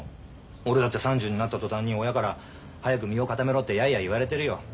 俺だって３０になった途端に親から早く身を固めろってやいやい言われてるよ。